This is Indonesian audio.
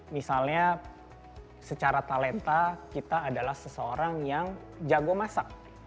misalnya secara talenta kita adalah seseorang yang jago masak